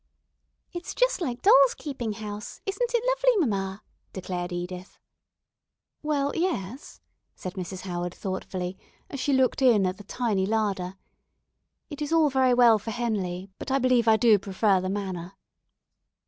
"It's just like dolls keeping house; isn't it lovely, mamma?" declared Edith. "Well, yes," said Mrs. Howard, thoughtfully, as she looked in at the tiny larder. "It is all very well for Henley, but I believe I do prefer the manor."